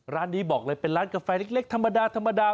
ร้านนี้บอกเลยเป็นร้านกาแฟเล็กธรรมดาธรรมดา